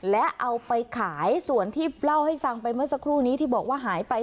และเอาไปขายส่วนที่เล่าให้ฟังไปเมื่อสักครู่นี้ที่บอกว่าหายไป